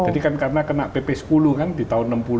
jadi kan karena kena pp sepuluh kan di tahun enam puluh